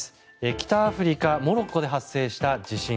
北アフリカ・モロッコで発生した地震。